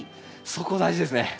そこ大事ですね。